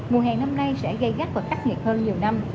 mùa hè năm nay sẽ gây gắt và khắc nghiệt hơn nhiều năm